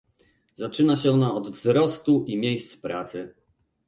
Zaczyna się ona od "wzrostu i miejsc pracy"